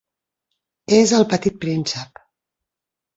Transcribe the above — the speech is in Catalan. És el Petit Príncep.